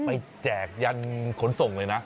แจกยันขนส่งเลยนะ